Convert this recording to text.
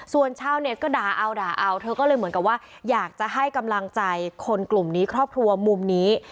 ส่วนชาวเน็ตก็ด่าเอาด่าเอาเธอก็เลยเหมือนกับว่าอยากจะให้กำลังใจคนกลุ่มนี้ครอบครัวมุมนี้